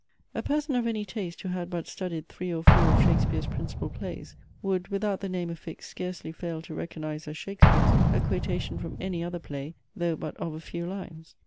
A person of any taste, who had but studied three or four of Shakespeare's principal plays, would without the name affixed scarcely fail to recognise as Shakespeare's a quotation from any other play, though but of a few lines.